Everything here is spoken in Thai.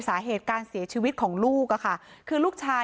สาเหตุการเสียชีวิตของลูกอะค่ะคือลูกชาย